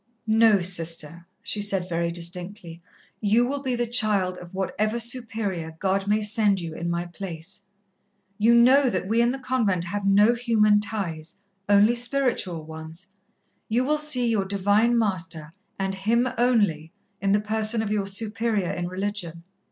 "No, Sister," she said very distinctly. "You will be the child of whatever Superior God may send you in my place." "You know that we in the convent have no human ties, only spiritual ones. You will see your Divine Master, and Him only, in the person of your Superior in religion.